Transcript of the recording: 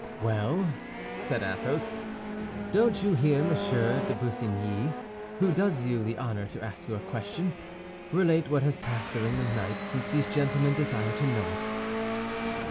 "Well," said Athos, "don't you hear Monsieur de Busigny, who does you the honor to ask you a question? Relate what has passed during the night, since these gentlemen desire to know it."